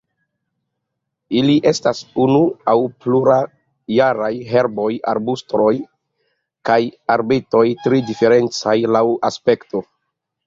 Ili estas unu aŭ plurjaraj herboj, arbustoj kaj arbedoj tre diferencaj laŭ aspekto.